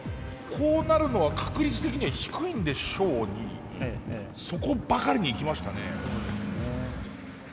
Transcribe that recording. こうなるのは確率的には低いんでしょうにそこばかりにいきましたね。